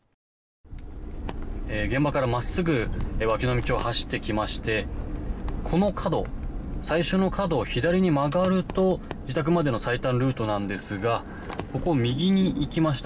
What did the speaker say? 現場から真っすぐ脇の道を走ってきましてこの角、最初の角を左に曲がると自宅までの最短ルートですがここを右に行きました。